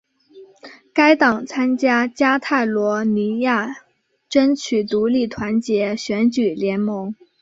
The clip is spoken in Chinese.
该党参加加泰罗尼亚争取独立团结选举联盟。